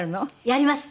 やります！